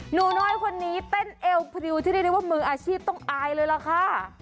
หนูน้อยคนนี้เต้นเอวพริวที่เรียกได้ว่ามืออาชีพต้องอายเลยล่ะค่ะ